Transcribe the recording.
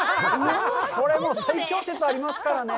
これもう最強説ありますからね。